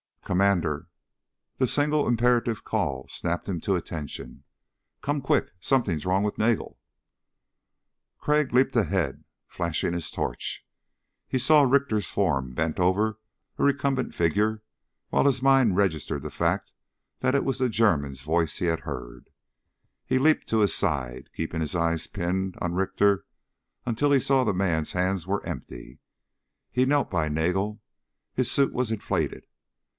"Commander." The single imperative call snapped him to attention. "Come quick. Something's wrong with Nagel!" Crag leaped ahead, flashing his torch. He saw Richter's form bent over a recumbent figure while his mind registered the fact that it was the German's voice he had heard. He leaped to his side, keeping his eyes pinned on Richter until he saw the man's hands were empty. He knelt by Nagel his suit was inflated!